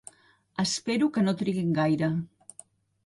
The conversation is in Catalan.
Espero que no triguin gaire.